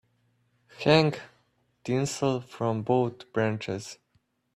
Hang tinsel from both branches.